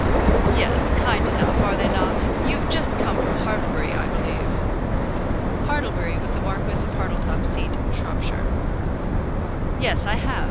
"Yes; kind enough; are they not? You've just come from Hartlebury, I believe." Hartlebury was the Marquis of Hartletop's seat in Shropshire. "Yes, I have.